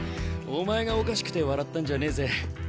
お前がおかしくて笑ったんじゃねえぜ。